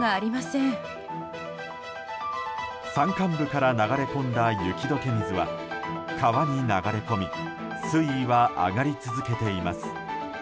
山間部から流れ込んだ雪解け水は川に流れ込み水位は上がり続けています。